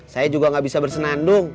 saya juga gak bisa bersenandung